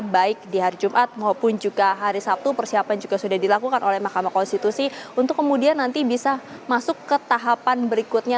baik di hari jumat maupun juga hari sabtu persiapan juga sudah dilakukan oleh mahkamah konstitusi untuk kemudian nanti bisa masuk ke tahapan berikutnya